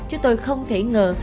chứ tôi không thể ngờ